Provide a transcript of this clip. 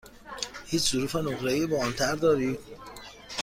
هیچ ظروف نقره ای با آن طرح دارید؟